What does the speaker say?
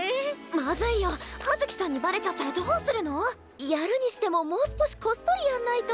まずいよ葉月さんにバレちゃったらどうするの⁉やるにしてももう少しこっそりやんないと。